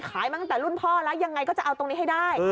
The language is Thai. มาตั้งแต่รุ่นพ่อแล้วยังไงก็จะเอาตรงนี้ให้ได้